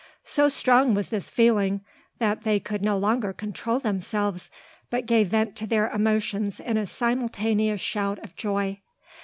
So strong was this feeling, that they could no longer control themselves; but gave vent to their emotions in a simultaneous shout of joy.